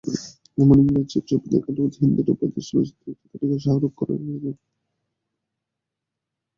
এখন ইংরেজি ছবি দেখালেও হিন্দি ধ্রুপদি চলচ্চিত্রেরও একটি তালিকা শাহরুখ করে রেখেছেন।